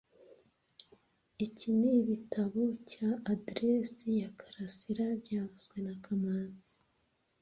Iki nibitabo cya adresse ya Karasira byavuzwe na kamanzi